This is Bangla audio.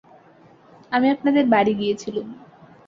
আমি আপনাদের বাড়ি গিয়েছিলুম।